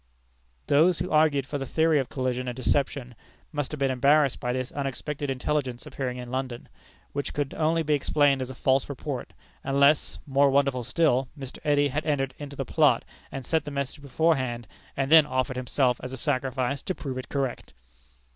Those who argued for the theory of collusion and deception, must have been embarrassed by this unexpected intelligence appearing in London, which could only be explained as a false report, unless (more wonderful still!) Mr. Eddy had entered into the plot, and sent the message beforehand, and then offered himself as a sacrifice, to prove it correct!